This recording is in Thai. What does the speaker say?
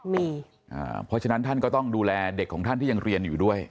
เพราะฉะนั้นท่านก็ต้องดูแลเด็กของท่านที่ยังเรียนอยู่ด้วย